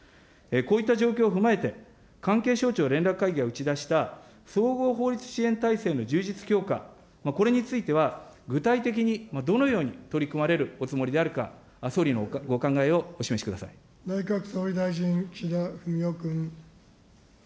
こういった状況を踏まえて、関係省庁連絡会議が打ち出した、総合法律支援体制の充実、強化、これについては具体的にどのように取り組まれるおつもりであるか、内閣総理大臣、岸田文雄君。